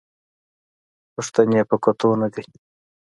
پښتنې په کتو نه دي